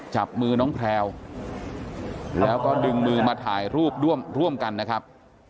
จับมือน้องแพลวแล้วก็ดึงมือมาถ่ายรูปร่วมกันนะครับ